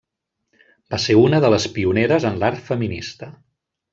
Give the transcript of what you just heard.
Va ser una de les pioneres en l'art feminista.